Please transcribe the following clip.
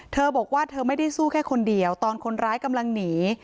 เธอบอกว่าเธอไม่ได้สู้แค่คนเดียวตอนคนร้ายกำลังหนี